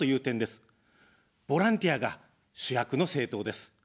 ボランティアが主役の政党です。